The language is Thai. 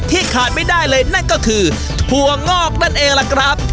ขาดไม่ได้เลยนั่นก็คือถั่วงอกนั่นเองล่ะครับ